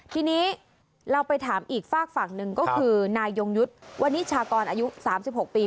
ทีนี้เราไปถามอีกฝากฝั่งหนึ่งก็คือนายยงยุทธ์วันนี้ชากรอายุ๓๖ปี